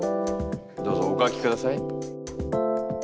どうぞお書きください。